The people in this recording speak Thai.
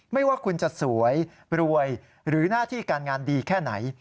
ไม่ว่าคุณจะสวยรวยหรือหน้าที่การงานดีแค่ไหน